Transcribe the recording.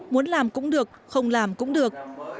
muốn làm cũng được không làm cũng được